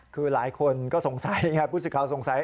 คือหลายคนก็สงสัยพูดสิทธิ์ข่าวสงสัย